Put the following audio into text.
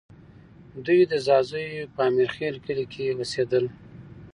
دوی د ځاځیو په امیرخېل کلي کې اوسېدل